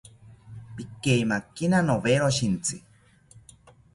Pikeimakina nowero shintzi